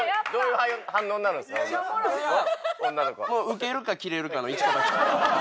ウケるかキレるかの一か八か。